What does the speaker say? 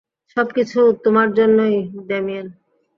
সবকিছু তোমার জন্যই, ডেমিয়েন!